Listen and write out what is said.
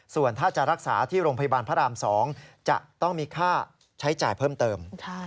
ส่วนถ้าจะรักษาที่โรงพยาบาลพระราม๒จะต้องมีค่าใช้จ่ายเพิ่มเติม